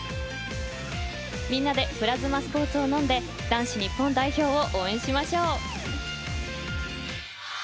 みんなでプラズマスポーツを飲んで男子日本代表を応援しましょう！